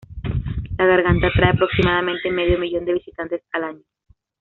La garganta atrae aproximadamente medio millón de visitantes al año.